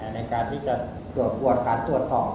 ในการที่จะรวดพอดคัดตรวจสอบ